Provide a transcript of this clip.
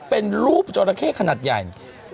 เป็นรูปจราเข้ขนาดใหญ่